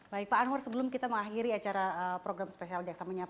baik pak anwar sebelum kita mengakhiri acara program spesial